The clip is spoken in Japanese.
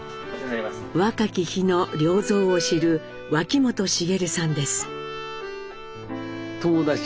若き日の良三を知る脇本茂さんです。